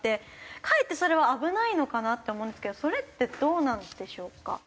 かえってそれは危ないのかなって思うんですけどそれってどうなんでしょうか？